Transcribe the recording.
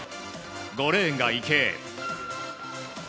５レーンが池江。